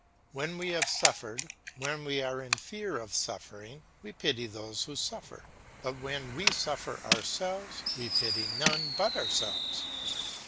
When we have suffered, when we are in fear of suffering, we pity those who suffer; but when we suffer ourselves, we pity none but ourselves.